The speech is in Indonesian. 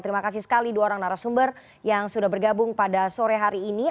terima kasih sekali dua orang narasumber yang sudah bergabung pada sore hari ini